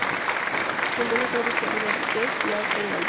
Fundó las radios Camilo Henríquez y Austral de Valdivia.